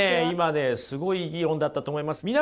今ねすごいいい議論だったと思います。